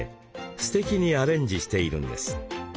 すてきにアレンジしているんです。